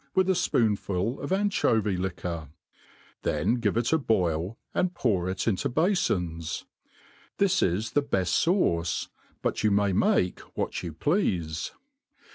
with a fpoonful of anchovy* Jiquor ; then give it a boilj and pour it into bafons. This is the bcft fauce ; but you may make what you pleafe.